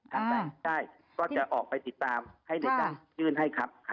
ถ้าไม่ได้ก็จะออกไปติดตามให้ในจ้างยื่นให้ครับ